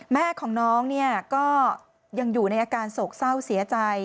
แม่ของน้องเนี่ยก็ยังอยู่ในอาการโศกเศร้าเสียใจ